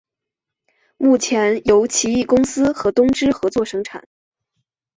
目前由奇异公司和东芝合作生产。